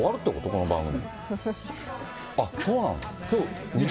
この番組。